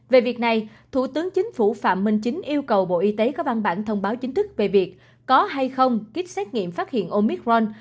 về việc này thủ tướng chính phủ phạm minh chính yêu cầu bộ y tế có văn bản thông báo chính thức về việc có hay không kích xét nghiệm phát hiện omic ron